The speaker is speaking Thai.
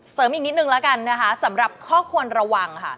เสริมอีกนิดหนึ่งแล้วกันสำหรับข้อควรระวัง